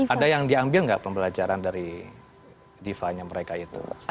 ada yang diambil nggak pembelajaran dari divanya mereka itu